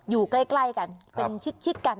อยู่ใกล้กันเป็นชิดกัน